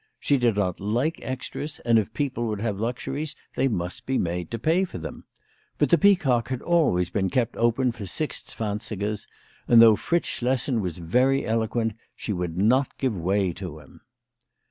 She did not like extras, and if people would have luxuries they must be made to pay for them. But the Peacock had always been kept open for six zwansigers, and though Fritz Schlessen was very eloquent, she would not give way to him.